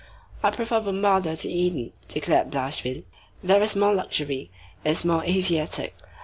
"I prefer Bombarda to Édon," declared Blachevelle. "There is more luxury. It is more Asiatic.